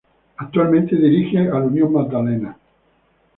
Actualmente dirigirá al Unión Magdalena.